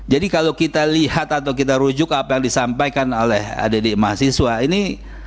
jadi kalau kita lihat atau kita rujuk apa yang disampaikan oleh adik adik mahasiswa ini